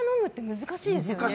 難しいんですよ。